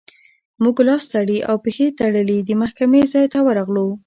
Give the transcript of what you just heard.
موږ لاس تړلي او پښې تړلي د محکمې ځای ته ورغلو.